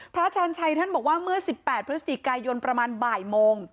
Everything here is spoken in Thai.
ชาญชัยท่านบอกว่าเมื่อ๑๘พฤศจิกายนประมาณบ่ายโมง